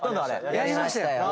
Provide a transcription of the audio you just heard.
やりましたよ。